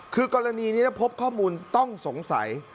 คือกรณีนี้พบข้อมูลต้องสงสัย